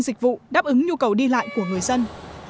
dịch vụ đáp ứng nhu cầu đi lại của người dân